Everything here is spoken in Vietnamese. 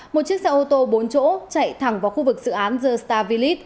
một chiếc xe ô tô bốn chỗ chạy thẳng vào khu vực dự án the star village